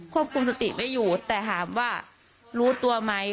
ควบคุมสติไม่อยู่แต่ถามว่ารู้ตัวไหม